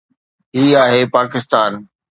هي آهي پاڪستان.